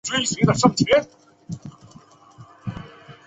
日本昭和天皇宣布终战诏书。